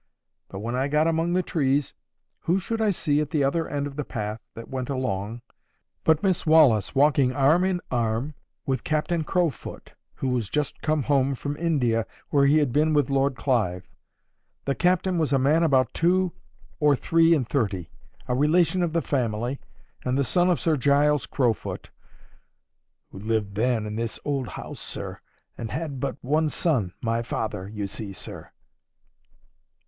But when I got among the trees, who should I see at the other end of the path that went along, but Miss Wallis walking arm in arm with Captain Crowfoot, who was just home from India, where he had been with Lord Clive. The captain was a man about two or three and thirty, a relation of the family, and the son of Sir Giles Crowfoot'—who lived then in this old house, sir, and had but that one son, my father, you see, sir.